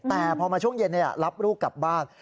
แต่พอมาช่วงเย็นรับลูกกลับบ้าน